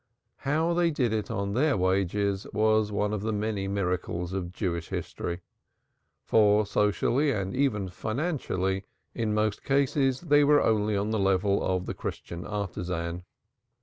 How they did it on their wages was one of the many miracles of Jewish history. For socially and even in most cases financially they were only on the level of the Christian artisan.